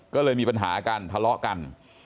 ก็เลยมีปัญหากันทะเลาะกัน